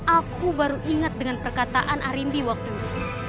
aku baru ingat dengan perkataan arimbi waktu itu